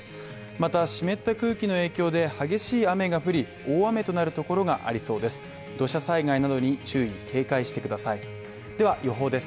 また湿った空気の影響で激しい雨が降り、大雨となるところがありそうです。